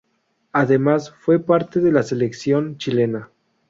Además, fue parte de la selección chilena.